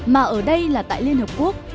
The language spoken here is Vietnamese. mà ở đây là tại liên hợp quốc